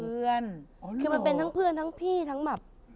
คือมันเป็นทั้งเพื่อนทั้งพี่ทั้งแบบ